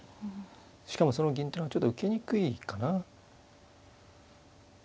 しかもその銀取りがちょっと受けにくいかな。